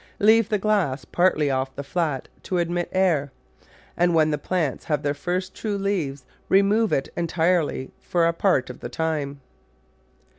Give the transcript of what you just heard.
Leave die glass partly off the flat to admit air, and when the plants have their first true leaves remove it entirely for a part of the time.